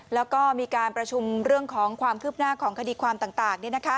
แล้วก็มีการประชุมเรื่องของความคืบหน้าของคดีความต่าง